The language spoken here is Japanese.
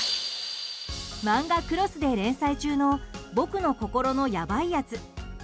マンガクロスで連載中の「僕の心のヤバイやつ」。